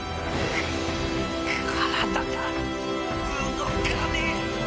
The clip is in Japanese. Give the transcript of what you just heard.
く体が動かねえ。